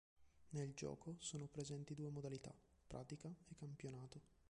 Nel gioco sono presenti due modalità: pratica e campionato.